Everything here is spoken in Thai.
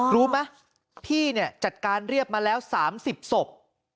รู้ไหมพี่เนี่ยจัดการเรียบมาแล้ว๓๐ศพ